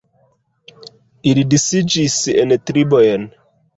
Ili disiĝis en tribojn.